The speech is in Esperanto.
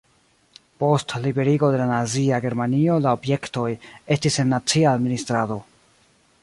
Post liberigo de la nazia Germanio la objektoj estis en nacia administrado.